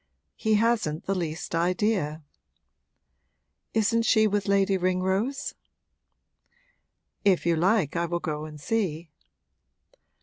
'He hasn't the least idea.' 'Isn't she with Lady Ringrose?' 'If you like I will go and see.'